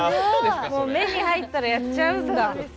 目に入ったらやっちゃうんだ。